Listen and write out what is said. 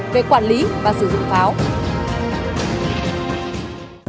về quản lý và sử dụng pháo